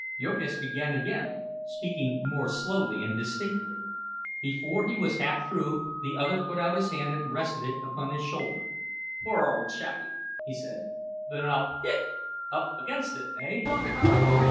Jurgis began again, speaking more slowly and distinctly; before he was half through the other put out his hand and rested it upon his shoulder. "Poor ole chappie!" he said. "Been up—hic—up—against it, hey?"